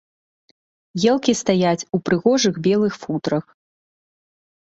Елкі стаяць у прыгожых белых футрах.